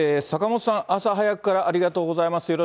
坂本さん、朝早くからありがとうございます。